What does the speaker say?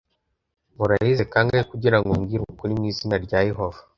nkurahize kangahe kugira ngo umbwire ukuri mu izina rya yehova